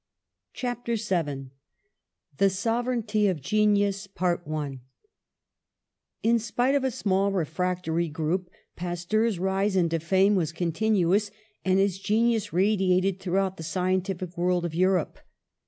CHAPTER VII THE SOVEREIGNTY OF GENIUS IN" spite of a small refractory group, Pasteur's rise into fame was continuous, and his genius radiated throughout the scientific world of Europe.